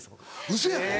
ウソやん。